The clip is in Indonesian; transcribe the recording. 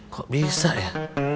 kok bisa ya